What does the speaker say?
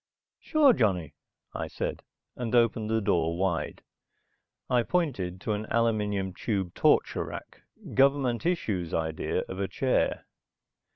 "Sure, Johnny," I said, and opened the door wide. I pointed to an aluminum tube torture rack, government issue's idea of a chair.